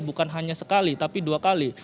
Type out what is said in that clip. bukan hanya sekali tapi dua kali